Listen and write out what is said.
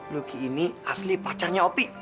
luki ini asli pacarnya opi